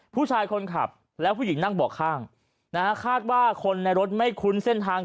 ผู้ชายคนขับแล้วผู้หญิงนั่งเบาะข้างนะฮะคาดว่าคนในรถไม่คุ้นเส้นทาง